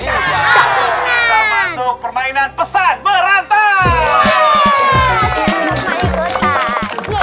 kita masuk permainan pesan berantai